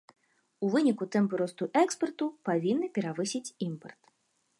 У выніку тэмпы росту экспарту павінны перавысіць імпарт.